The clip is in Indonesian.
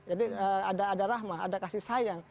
jadi ada rahmah ada kasih sayang